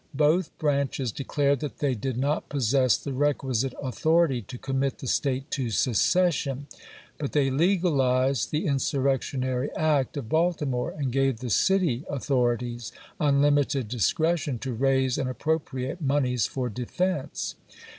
Both branches declared that they did not possess the requisite authority to commit the State to secession; but they legalized the in surrectionary act of Baltimore, and gave the city authorities unlimited discretion to raise and ap propriate moneys for defense.